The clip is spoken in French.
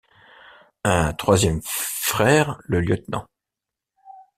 Un troisième frère, le Lt.